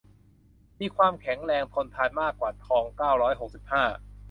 และมีความแข็งแรง ทนทาน มากกว่าทอง เก้าร้อยหกสิบห้า